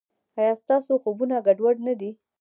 ایا ستاسو خوبونه ګډوډ نه دي؟